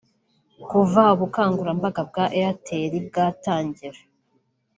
Kuva ubukangurambaga bwa Airtel bwatangira